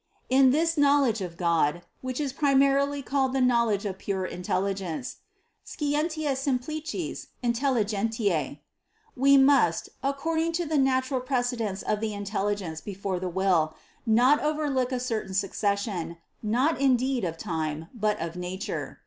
32. In this knowledge of God, which primarily is called the knowledge of pure intelligence (scientia sim plicis intelligentise), we must, according to the natural precedence of the intelligence before the will, not over look a certain succession, not indeed of time, but of nature.